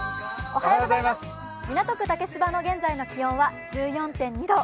港区竹芝の現在の気温は１４．２度。